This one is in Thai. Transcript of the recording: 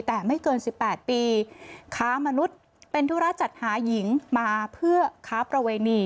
แต่ไม่เกิน๑๘ปีค้ามนุษย์เป็นธุระจัดหาหญิงมาเพื่อค้าประเวณี